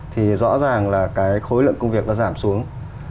thì rõ ràng là cái khối lượng công việc nó giảm xuống